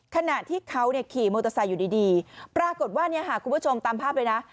ขณะที่เขาขี่มอเตอร์ไซค์อยู่ดีปรากฏว่าเนี่ยค่ะคุณผู้ชมตามภาพเลยนะ